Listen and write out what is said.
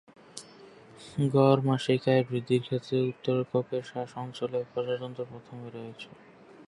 গড় মাসিক আয়ের বৃদ্ধির ক্ষেত্রে, উত্তর ককেশাস অঞ্চলে এই প্রজাতন্ত্র প্রথমে রয়েছে।